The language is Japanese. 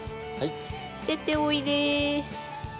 出ておいで。